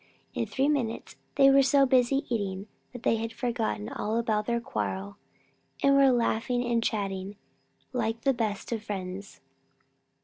In three minutes they were so busy eating that they had forgotten all about their quarrel and were laughing and chatting like the best of friends.